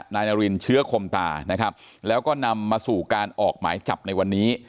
นายนารินเชื้อคมตานะครับแล้วก็นำมาสู่การออกหมายจับในวันนี้